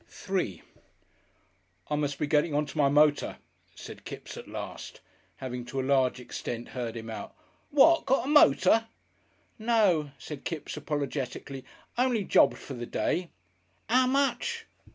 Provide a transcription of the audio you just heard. §3 "I must be gettin' on to my motor," said Kipps at last, having to a large extent heard him out. "What! Got a motor?" "No!" said Kipps apologetically. "Only jobbed for the day." "'Ow much?"